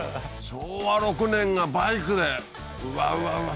昭和６年がバイクでうわうわうわ